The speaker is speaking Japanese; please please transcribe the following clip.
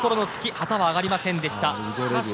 旗は上がりませんでした。